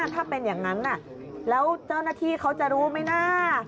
ถ้าเป็นอย่างนั้นแล้วเจ้าหน้าที่เขาจะรู้ไหมนะ